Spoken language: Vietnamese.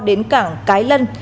đến cảng cái lân